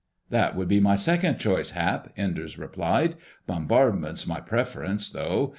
"That would be my second choice, Hap," Enders replied. "Bombardment's my preference, though.